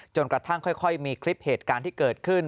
กระทั่งค่อยมีคลิปเหตุการณ์ที่เกิดขึ้น